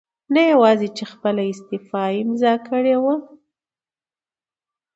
نه یواځې چې خپله استعفاء امضا کړې وه